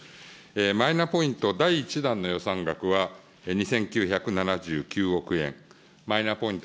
マイナポイント第１弾の予算額は、２９７９億円、マイナポイント